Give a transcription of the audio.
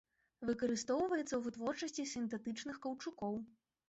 Выкарыстоўваецца ў вытворчасці сінтэтычных каўчукоў.